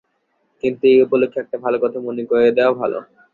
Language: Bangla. কিন্তু এই উপলক্ষে একটা কথা মনে করিয়ে দেওয়া ভালো।